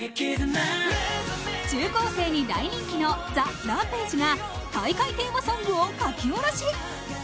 中高生に大人気のＴＨＥＲＡＭＰＡＧＥが大会テーマソングを書き下ろし。